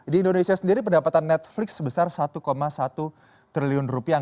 di indonesia sendiri pendapatan netflix sebesar satu satu triliun rupiah